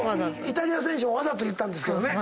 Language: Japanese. イタリア選手がわざと言ったんですけどね。